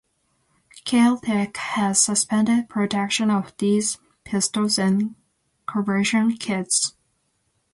Kel-Tec has suspended production of these pistols and conversion kits.